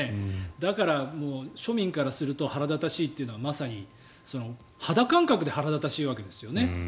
だから庶民からすると腹立たしいというのはまさに肌感覚で腹立たしいわけですよね。